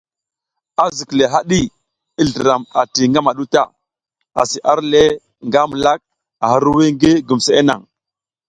Azikle haɗi, i zliram ati ngamaɗu ta, asi arle nga milak, a hirwuy ngi gumseʼe nang.